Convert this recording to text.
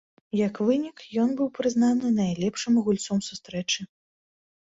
Як вынік, ён быў прызнаны найлепшым гульцом сустрэчы.